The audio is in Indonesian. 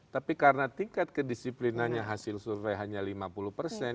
tapi karena tingkat kedisiplinannya hasil survei hanya lima puluh persen